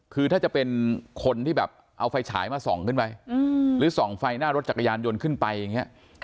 คือถ้าจะเป็นคนที่แบบเอาไฟฉายมาส่องขึ้นไว้หรือส่องไฟหน้ารถจักรยานยนต์ขึ้นไปอย่างนี้